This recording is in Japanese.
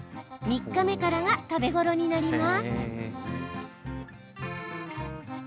３日目からが食べ頃になります。